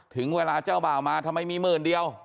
ถึงเวลาเจ้าบ่าวมาทำไมมีหมื่นเดียว